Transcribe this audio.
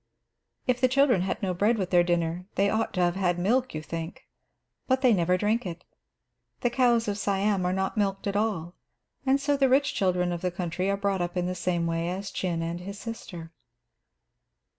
If the children had no bread with their dinner, they ought to have had milk, you think. But they never drink it. The cows of Siam are not milked at all, and so the rich children of the country are brought up in the same way as Chin and his sister.